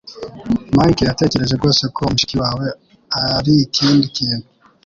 Mike yatekereje rwose ko mushiki wawe arikindi kintu